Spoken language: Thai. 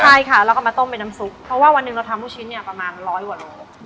ใช่ค่ะแล้วก็มาต้มเป็นน้ำซุปเพราะว่าวันหนึ่งเราทำลูกชิ้นเนี่ยประมาณร้อยกว่าโล